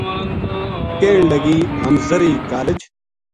کہن لگی:” ہم زرعی کالج